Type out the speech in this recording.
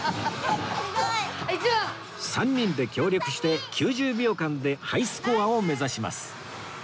３人で協力して９０秒間でハイスコアを目指します